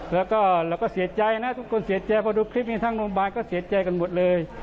แล้วก็เราก็เสียใจนะทุกคนเสียใจพอดูคลิปนี้ทั้งโรงพยาบาลก็เสียใจกันหมดเลย